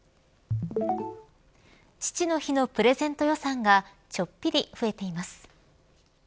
父の日のプレゼント予算がちょっぴり増えています。